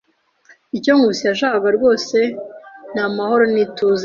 Icyo Nkusi yashakaga rwose ni amahoro n'ituze.